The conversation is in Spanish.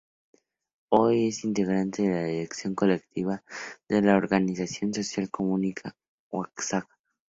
Hoy es integrante de la dirección colectiva de la organización social Comuna Oaxaca.